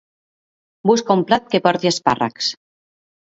Busca un plat que porti espàrrecs.